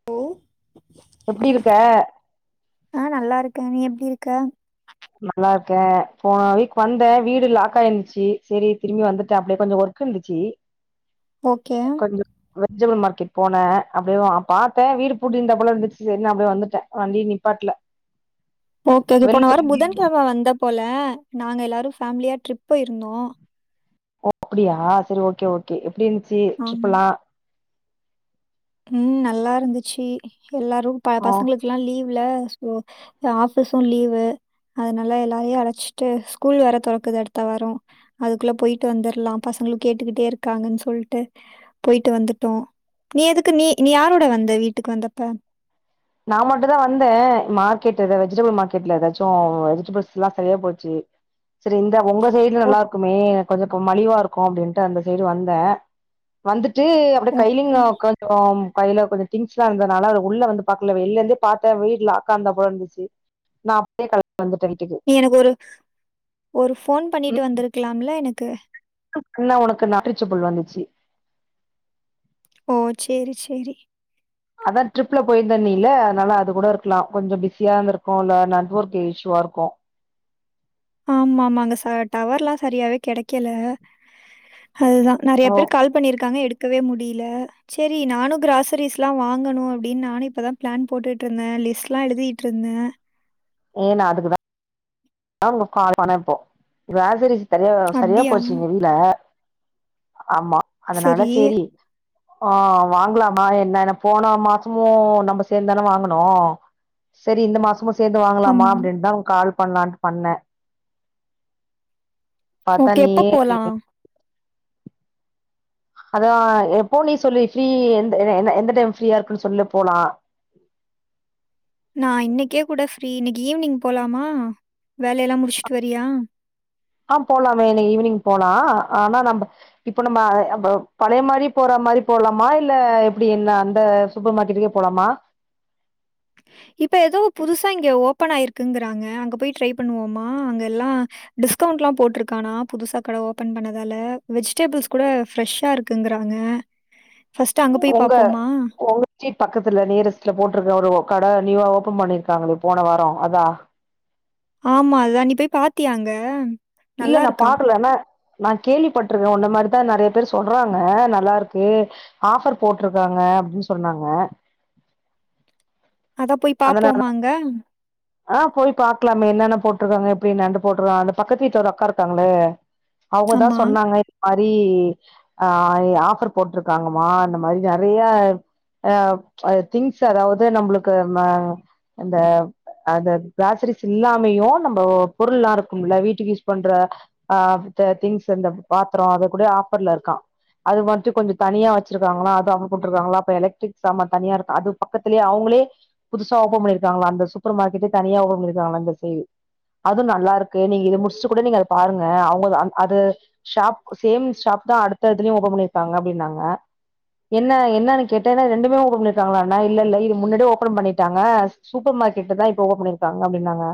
ம் எப்படி இருக்க ஆ நல்லா இருக்க நீ எப்படி இருக்க நல்லா இருக்கே போன வீக் வந்த வீடு லாக் ஆயிந்துச்சி செரி திரும்பி வந்துட்ட அப்படியே கொஞ்ச ஒர்க் கு இருந்துச்சி ஓகே கொஞ்சோ வெஜிடபிள் மார்க்கெட் போன அப்டே தா பாத்த வீடு பூட்டிருந்தா போல இருந்துச்சு செரின் அப்படியே வந்துட்ட வண்டி நிப்பாட்ல ஓகே இது வெளில போன வாரோ போயிட்டே புதன்கெழம வந்த போல நாங்க எல்லாரு ஃபேமிலியா ட்ரிப் போயிருந்தோ ஓ அப்படியா செரி ஓகே ஓகே எப்படி இருந்துச்சி ஆமா டிரிப்பல்லா ம் நல்லா இருந்துச்சி எல்லாரு ப ஆ பசங்களுக் குலா லீவ்வுல சோ த ஆபிஸு லீவு அதனால எல்லாரையு அழச்ட்டு ஸ்கூல் வேற தொறக்குது அடுத்த வாரோ அதுக்குள்ள போயிட் வந்தர்லா பசங்களு கேட்டுக்கிட்டே இருக்காங்கன் சொல்ட்டு போயிட்டு வந்துட்டோ நீ எதுக்கு நீ நீ யாரோட வந்த வீட்டுக்கு வந்தப்ப நா மட்டு தா வந்த மார்க்கெட்டு எதா வெஜிடபுள் மார்க்கெட்ல எதாச்சு வெஜிடபிள்ஸ்லா செரியா போச்சு செரி இந்தா உங்க சைடு ஓ நல்லா இருக்குமே கொஞ்ச இப்ப மலிவா இருக்கு அப்டின்ட்டு அந்த சைடு வந்த வந்துட்டு அப்டே ஓ கைலிங்க கொஞ்சோ கையில கொஞ்சோ திங்ஸ்லா இருந்தனால அது உள்ள வந்து பாக்கல வெளில இருந்தே பாத்த வீடு லாக்கா இருந்தா போல இருந்துச்சு நா [inaudible] வந்துட்டே வீட்டுக்கு எனக்கொரு ஒரு போன் பண்ணீட்டு வந்துருக்கலாம் இல்ல எனக்கு [unintelligible] உனக்கு நாட் ரீச்சபுள் வந்துச்சி ஓ சேரி சேரி அதா ட்ரிப்ல போயிருந்தன்னீல அதனால அது கூட இருக்கலா கொஞ்சோ பிஸியா இருந்துருக்கு இல்ல நெட்ஒர்க் இஷயூவா இருக்கு ஆமாமாங்க ச டவர்லா சரியாவே கெடைக்கல அதுதா நறையா ஓ பேர் கால் பண்ணிருக்காங்க எடுக்கவே முடில சேரி நானு கிராசரிஸ்லா வாங்கணு அப்டின் நானு இப்ப தா பிளேன் போட்டுட்ருந்த லிஸ்ட்லா எழுதீட்ருந்த ஏ நா அதுக்கு தா [inaudible] கால் பண்ண இப்போ கிரேசரிஸ் தரியா சரியா அப்படியா? போச்சு இங்க வீ ட்ல ஆமா சரி. அதனால சேரி ஆ வாங்கலாமா என்னனு போன மாசமு நம்ப சேந்தான வாங்கனு செரி இந்த மாசமு சேந்து வாங்கலாமா ஆமா. அப்டின்தா கால் பண்லான்ட்டு பண்ண பாத்தா ஓகே. எப்போ நீயே போலாம்? அதா எப்பூ நீ சொல்லி ஃப்ரீ எந் என்ன என்ன எந்த டைம் ஃப்ரீயா இருக்குன் சொல்லு போலா நா இன்னேக்கே கூட ஃப்ரீ இன்னிக்கு ஈவினிங் போலாமா வேலையெல்லா முடிச்ட்டு வரியா ஆ போலாமே என்ன ஈவினிங் போலா ஆனா நம்ப இப்ப நம்ம ப பழைய மாரி போற மாரி போலாமா இல்ல எப்படி என்ன அந்த சூப்பர் மார்கெட்டுக்கே போலமா இப்ப எதோ புதுசா இங்க ஓப்பன் ஆயிருக்குங்கறாங்க அங்க போய் ட்ரை பண்ணுவோமா அங்க எல்லா டிஸ்கவுண்ட்லா போட்ருக்கானா புதுசா கட ஓப்பன் பண்ணதால வெஜிடேபிள்ஸ் கூட ஃப்ரஷ்ஷா இருக்குங்றாங்க உங்க உங்க ஸ்டீட் பக்கத்துல நியரஸ்ட்ல போட்ருக்க ஒரு கட நியூவா ஓபன் பண்ணியிருக்காங்களே போன வாரோ அதா ஆமா அதா நீ போய் பாத்தியா அங்க இல்ல நல்லா நா இருக்காம். பாக்கல ன நா கேள்விப்பட்ருக்கே உன்ன மாரிதா நெறையா பேரு சொல்றாங்க நல்லா இருக்கு ஆஃபர் போட்ருக்காங்க அப்டின்னு சொன்னாங்க அதா போய் அதனால பாப்போமாங்க ஆ போய் பாக்கலாமே என்னென்ன போட்ருக்காங்க எப்டினு நண்டு போட்ருக்காங்க அந்த பக்கத்து வீட்ல ஒரு அக்கா இருக்காங்களே அவுங்கதா ஆமா. சொன்னாங்க இது மாரி ஆ ஆஃபர் போட்ருக்காங்கமா இந்த மாரி நெறையா அ திங்ஸ் அதாவது நம்மளுக்கு நம்ம அந்த அத க்ளாசரிஸ் இல்லாமையு நம்ம பொருள் எல்லா இருக்கும்ல வீட்டுக்கு யூஸ் பண்ற ஆ திங்ஸ் இந்த பாத்தரோ அது கூட ஆஃபர்ல இருக்கா அது மட்டு கொஞ்ச தனியா வச்சிருக்காங்களா அது அவன் குடுத்துருக்காங்களா அப்ப எலக்ட்ரிக் சாமான் தனியா இருக்கா அது பக்கத்திலயே அவுங்களே புதுசா ஓப்பன் பண்ணிருக்காங்களா அந்த சூப்பர் மார்க்கெட்டே தனியா ஓப்பன் பண்ணிருக்காங்களா இந்த சைடு அதுவு நல்லா இருக்கு நீங்க இது முடிச்சுட்டு கூட நீங்க அத பாருங்க அவுங்க அது ஷாப் சேம் ஷாப் தா அடுத்த இதுலயு ஓப்பன் பண்ணியிருக்காங்க அப்டின்னாங்க என்ன என்னன்னு கேட்டேனா ரெண்டுமே ஓப்பன் பண்ணிருக்காங்ளான்னு இல்ல இல்ல இது முன்னாடி ஓபன் பண்ணி டாங்க சூப்பர் மார்க்கெட்டு தா இப்ப ஓபன் பண்ணிருக்காங்க அப்டின்னாங்க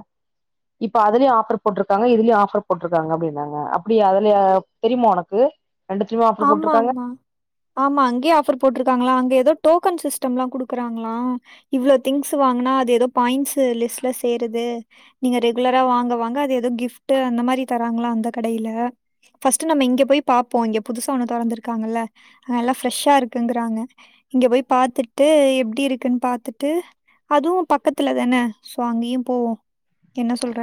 இப்ப அதுலயு ஆஃபர் போட்ருக்காங்க இதுலயு ஆஃபர் போட்ருக்காங்க அப்டின்னாங்க அப்டியா அதுலயா தெரியுமா உனக்கு ரெண்டுத்துலயுமே ஆஃபர் ஆமா போட்ருக்காங்க ஆமா ஆமா அங்கே ஆஃபர் போட்ருக்காங்களா அங்க ஏதோ டோக்கன் சிஸ்டம் எல்லா குடுக்குறாங்களா இவ்ளோ திங்ஸ் வாங்குனா அது ஏதோ பாயிண்ட்ஸ் லிஸ்ட்ல சேருது நீங்க ரெகுலரா வாங்க வாங்க அது எதோ கிஃப்டுஅந்த மாரி தராங்களா அந்த கடையில ஃபர்ஸ்ட் நம்ம இங்க போய் பாப்போ இங்க புதுசா ஒன்னு தொறந்து இருக்காங்கல்ல அங்க எல்லா ஃப்ரெஷ்ஷா இருக்குங்குறாங்க இங்க போய் பாத்துட்டு எப்டி இருக்குன்னு பாத்துட்டு அதுவு பக்கத்துல தானே சோ அங்கேயு போவோ என்ன சொல்ற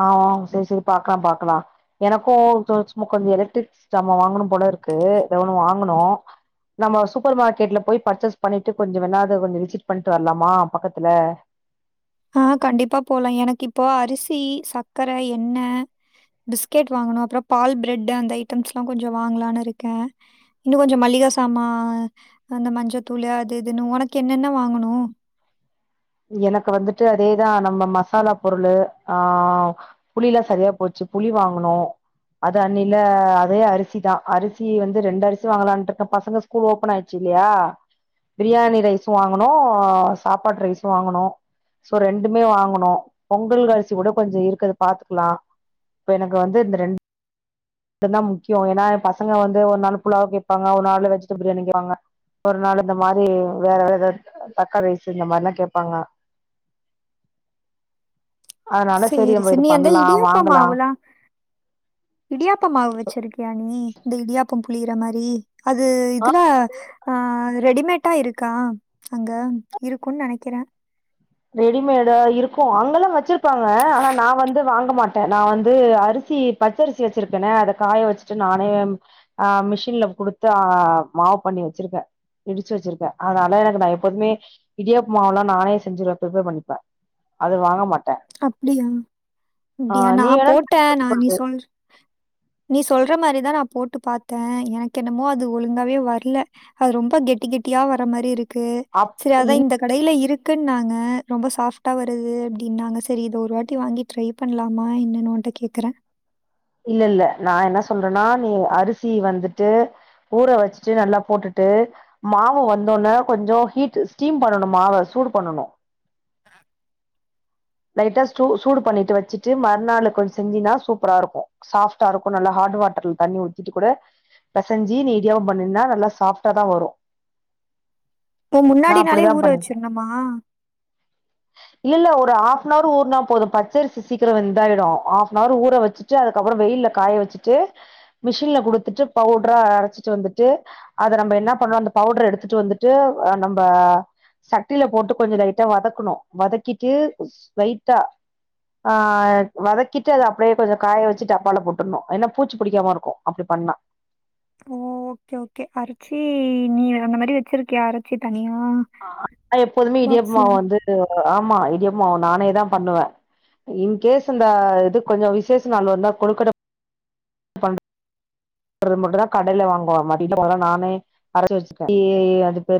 ஆ [unintelligible] செரி செரி பாக்கலா பாக்கலா எனக்கு சும்மா கொஞ்சோ எலக்ட்ரிக்ஸ் ஜாமா வாங்கணுபோல இருக்கு ஏதோ ஒன்னு வாங்கனு நம்ம சூப்பர் மார்க்கெட்ல போய் பர்ச்சேஸ் பண்ணிட்டு கொஞ்ச வேணா அத கொஞ்ச விசிட் பண்ணிட்டு வரலாமா பக்கத்துல ஆ கண்டிப்பா போலா எனக்கு இப்போ அரிசி சக்கர எண்ணெ பிஸ்கெட் வாங்கணு அப்றோ பால் ப்ரெட்டு அந்த ஐட்டம்ஸ் எல்லா கொஞ்ச வாங்கலான்னு இருக்கே இன்னு கொஞ்ச மளிக சாமா அந்த மஞ்சத்தூளு அது இதுனு உனக்கு என்னென்ன வாங்கணு எனக்கு வந்துட்டு அதேதா நம்ம மசாலா பொருளு ஆ புளி எல்லா செரியா போச்சு புளி வாங்கனு அது அண்ணில்ல அதே அரிசி தா அரிசி வந்து ரெண்டு அரிசி வாங்கலான்ருக்கே பசங்க ஸ்கூல் ஓபன் ஆயிடுச்சு இல்லையா பிரியாணி ரைஸு வாங்கனு சாப்பாடு ரைஸ் வாங்கணு சோ ரெண்டுமே வாங்கணு பொங்கல் அரிசி கூட கொஞ்சோ இருக்கத பாத்துக்கலா இப்ப எனக்கு வந்து இந்த ரெண் இதுதா முக்கியோ ஏனா பசங்க வந்து ஒரு நாள் புலாவ் கேப்பாங்க ஒரு நாள் வெஜிடேப் பிரியாணிங்குவாங்க ஒரு நாள் இந்த மாரி வேற வேத தக்காளி ரைஸு இந்த மாரில்லா கேப்பாங்க அதனால செரி சரி, நம்ம சரி. இது நீ அந்த பண்ணலா இடியாப்ப வாங்கலா இடியாப்போ மாவு வச்சிருக்கியா நீ இந்த இடியாப்போ புளியிற மாரி அது ஆ இதுல ஆ ரெடிமேட்டா இருக்கா அங்க இருக்குன்னு நெனைக்கிறே ரெடிமேடா இருக்கு அங்கல்லா வச்சிருப்பாங்க ஆனா நா வந்து வாங்க மாட் ட நா வந்து அரிசி பச்சரிசி வச்சிருக்கனே அத காய வச்சிட்டு நானே ஆ மிஷின்ல குடுத்து ஆ மாவு பண்ணி வச்சிருக்கே இடிச்சி வச்சிருக்க அதனால எனக்கு நா எப்போதுமே இடியாப்ப மாவெல்லா நானே செஞ்சிருவே பிரிப்பேர் பண்ணிப்பே அது வாங்க மாட்ட அப்டியா ஏ நா வேணா போட்ட ட்ரை நா பண்ணி நீ பாரு சொல்ற நீ சொல்ற மாரி தா நா போட்டு பாத்தே எனக்கு என்னமோ அது ஒழுங்காவே வர்ல அது ரொம்ப கெட்டி கெட்டியா வர மாதிரி இருக் கு அப் செரி அதா இல் இந்த கடையில இருக்குன்னுன்னாங்க ரொம்ப சாஃப்டா வருது அப்டின்னாங்க செரி இத ஒரு வாட்டி வாங்கி ட்ரை பண்ணலாமா என்னன்னு உன்ட்ட கேக்கற இல்ல இல்ல நா என்ன சொல்றேன்னா நீ அரிசி வந்துட்டு ஊற வச்சிட்டு நல்லா போட்டுட்டு மாவு வந்த உடனே கொஞ்சோ ஹீட் ஸ்டீம் பண்ணனோ மாவ சூடு பண்ணன்ணு ம் லைட்டா ஸ்டு சூடு பண்ணிட்டு வச்சிட்டு மறுநாள் கொஞ்சோ செஞ்சின்னா சூப்பரா இருக்கோ சாஃப்ட்டா இருக்கோ நல்லா ஹாட் வாட்டர்ல தண்ணி ஊத்திட்டு கூட பெசைஞ்சி நீ இடியாப்போ பண்ணி இருந்தா நல்லா சாஃப்டா தா வரு இப்போ நா முன்னாடி நாளே அப்டிதா ஊற பண்ணு வச்சிரணுமா? இல் இல்ல ஒரு ஹாஃப்னவர் ஊர்னா போது பச்சரிசி சீக்கிரோ வெந்தாயிடோ ஹாஃப்னவர் ஊர வச்சு ட்டு அதுக்கப்றோ வெயில்ல காய வச்சிட்டு மிஷின்ல குடுத்துட்டு பவுடரா அரைச்சிட்டு வந்துட்டு அத நம்ம என்ன பண்ணோ அந்த பவுடர் எடுத்துட்டு வந்துட்டு ஆ நம்ம சட்டில போட்டு கொஞ்சோ லைட்டா வதக்கனோ வதக்கிட்டு லைட்டா ஆ வதக்கிட்டு அது அப்டியே கொஞ்சோ காய வச்சிட்டு டப்பால போட்டர்ணு ஏன்னா பூச்சி புடிக்காம இருக்கோ அப்டி பண்ணா ஓ ஓகே ஓகே அரைச்சி நீ அந்த மாதிரி வச்சிருக்கியா அரைச்சி தனியா ஆ ஆ நா எப்போதுமே இடியாப்ப பாக்ஸ்ல மாவு வந்து ஆமா இடியாப்ப மாவு நானே தா பண்ணுவே இன்கேஸ் அந்த இது கொஞ்சோ விஷேச நாள் வந்தா கொலுக்கட்ட பண் பண்ற மட்டு தா கடையில வாங்குவோ மடில போற நானே அரச்சி வச்சிப்ப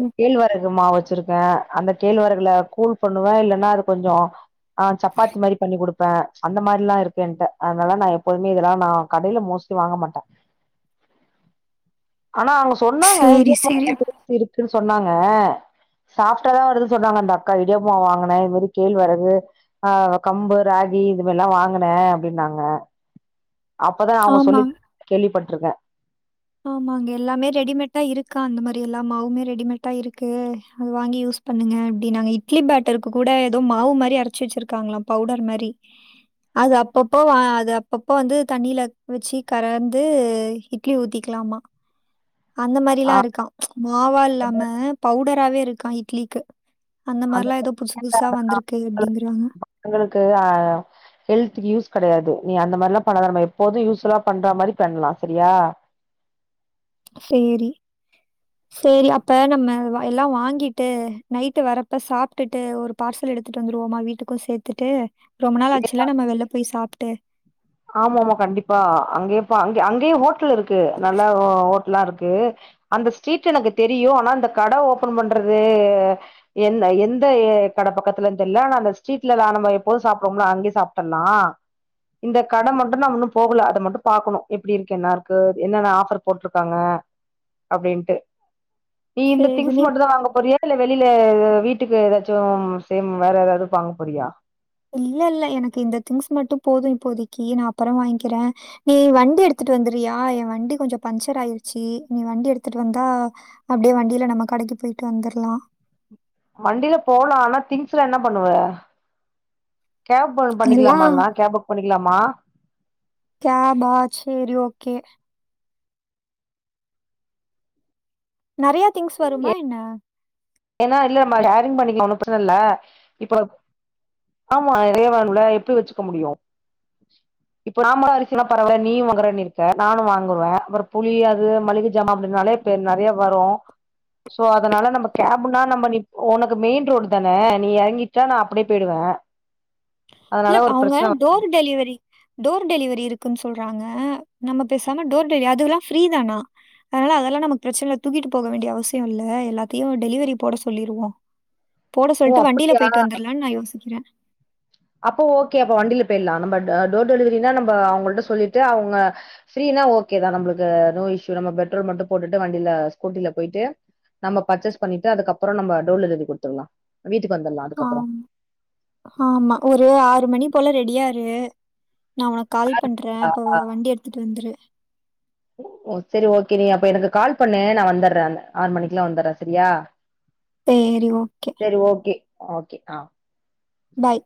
ம் கேழ்வரகு மாவு வச்சிருக்கே அந்த கேழ்வரகுல கூழ் பண்ணுவே இல்லன்னா அது கொஞ்சோ ஆ சப்பாத்தி மாரி பண்ணி குடுப்பே அந்த மாரில்லா இருக்கு ஏன்ட்ட அதனால நா எப்போதுமே இதெல்லா நா கடையில மோஸ்ட்லி வாங்க மாட்டே ஆனா அவங்க சொன்னாங்க சேரி இடியாப்ப சேரி மாவுல திருப்தி இருக்குன்னு சொன்னாங்க சாப்டா தா வருதுன்னு சொன்னாங்க அந்த அக்கா இடியாப்போ வாங்குனே இது கேழ்வரகு ஆ கம்பு ராகி இதுவெல்லா வாங்குனே அப்டின்னாங்க அ அப்பதா அவங்க ஆமா சொல்லி கேள்விப்பட்டுருக்கே ஆமாங்க எல்லாமே ரெடிமேட்டா இருக்கா அந்த மாரி எல்லா மாவுமே ரெடிமேட்டா இருக்கு அது வாங்கி யூஸ் பண்ணுங்க அப்டின்னாங்க இட்லி பேட்டருக்கு கூட ஏதோ மாவு மாரி அரச்சி வச்சிருக்காங்களா பவுடர் மாரி அது அப்பப்போ அது அப்பப்போ வந்து தண்ணியில வச்சி கறந்து இட்லி ஊத்தி வைக்கலாமா அந்த ஆ மாரிலா இருக்கா மாவா இல்லாம பவுடராவே இருக்கா இட்லிக்கு அந்த மாரிலா ஏதோ புதுசு புதுசா வந்திருக்கு அப்டிங்கறாங்க எங்களுக்கு ஆ ஹெல்துக்கு யூஸ் கெடையாது நீ அந்த மாரிலா பண்ணா வேண்டாமா எப்போது யூஸ்ஃபுல்லா பண்ற மாரி பண்ணலா சரியா சேரி சேரி அப்ப நம்ம எல்லா வாங்கிட்டு நைட்டு வரப்ப சாப்ட்டுட்டு ஒரு பார்சல் எடுத்துட்டு வந்துடுவோமா வீட்டுக்கு சேத்துட்டு ரொம்ப நாள் ஆச்சுல்லா நம்ம வெளில போய் சாப்ட்டு ஆமா ஆமா கண்டிப்பா அங்கயே அங்க அங்கயே ஹோட்டல் இருக்கு நல்ல ஹோட்டல்லா இருக்கு அந்த ஸ்ட்ரீட் எனக்கு தெரியு ஆனா இந்த கடை ஓபன் பண்றது எந் எந்த கடைப்பக்கத்துலனு தெரில ஆனா அந்த ஸ்ரிட்லதா நம்ம எப்போதும் சாப் டுவோம்லா அங்கே சாப்புட்றலா இந்த கடை மட்டு நாம இன்னு போகல அத மட்டு பாக்கணு எப்டி இருக்கு என்ன இருக்கு என்னென்ன ஆஃபர் போட்ருக்காங்க அப்டின்ட்டு நீ இந்த திங்ஸ் சரின்னு மட்டும்தா வாங்க போறியா இல்ல வெளியில வீட்டுக்கு ஏதாச்சு சேம் வேற ஏதாவது வாங்க போறியா இல்ல இல்ல எனக்கு இந்த திங்ஸ் மட்டு போதும் இப்போதிக்கு நா அப்பறம் வாங்கிக்கிறே நீ வண்டி எடுத்துட்டு வந்துட்றியா என் வண்டி கொஞ்சோ பஞ்சர் ஆயிருச்சு நீ வண்டி எடுத்துட்டு வந்தா அப்படியே வண்டியில நம்ம கடைக்கு போயிட்டு வந்துரலா வண்டியில போலா ஆனா திங்ஸ்ல என்ன பண்ணுவ கேப் ஒண்ணு பண்ணிக்கலாமா எல்லாம் இல்லனா கேப் புக் பண்ணிக்கலாமா கேபா சேரி ஓகே நறைய திங்ஸ் வருமா என்ன ஏன்னா இல்ல நம்ம ஷேரிங் பண்ணிக்கலா ஒன்னு பிரச்சன இல்ல, இப்போ ஆமா நெறைய வரும்ல எப்படி வச்சுக்க முடியு இப்போ நார்மல் அரிசினா பரவால்ல நீயு வாங்கறன்னு இருக்க நானு வாங்குவே அப்பறோ புளி அது மளிகை ஜாமா அப்டின்னாலே இப்ப நெறைய வரு சோ அதனால நம்ம கேப்னா நம்ம நீ உனக்கு மெயின் ரோடு தானே நீ எறங்கிட்டா நா அப்டியே போயிடுவே இல்ல இப்ப அவங்க டோர் டெலிவரி டோர் டெலிவரி இருக்குன்னு சொல்றாங்க நம்ம பேசாம டோர் டெலிவரி அதுல்லா ஃப்ரீதானா அதனால அதெல்லா நமக்கு பிரச்சன தூக்கிட்டு போக வேண்டிய அவசியம் இல்ல எல்லாத்தையு டெலிவரி போட சொல்லிடுவோ போட வ ஓ சொல்லிட்டு வண்டியில அப்டியா போயிட்டு வந்துட்லானு நா யோசிக்கிறே அப்போ ஓகே அப்ப வண்டியில போயிடலா நம்ம டோர் டெலிவரினா நம்ம அவங்கள்ட சொல்லிட்டு அவங்க ஃப்ரீனா ஓகே தா நம்மளுக்கு நோ இஷ்யூ நம்ம பெட்ரோல் மட்டு போட்டுட்டு வண்டியில ஸ்கூட்டில போயிட்டு நம்ம பர்ச்சேஸ் பண்ணிட்டு அதுக்கப்பறம் நம்ம டோர் டெலிவரி குடுத்துட்லா வீட்டுக்கு வந்துட்லா அதுக்கப்பறம் ஆம் ஆமா ஒரு ஆறு மணி போல ரெடியா இரு நா உனக்கு கால் பண்றே ஆ அப்ப வ வண்டி எடுத்துட்டு வந்துரு ஓ சேரி ஓகே நீ அப்ப எனக்கு கால் பண்ணு நா வந்துட்றே ஆறு மணிக்குல்லா வந்துட்றே சரியா சேரி ஓகே சேரி ஓகே ஓகே ஆ பாய்